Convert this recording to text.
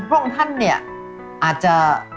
พวกท่านเนี่ยอาจจะ